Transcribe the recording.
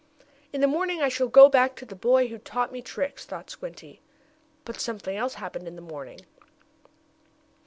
"In the morning I shall go back to the boy who taught me tricks," thought Squinty. But something else happened in the morning.